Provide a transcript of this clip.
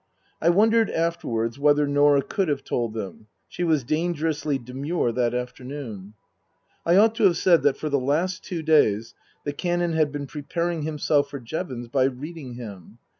(I wondered afterwards whether Norah could have told them. She was dangerously demure that afternoon.) I ought to have said that for the last two days the Canon had been preparing himself for Jevons by reading him.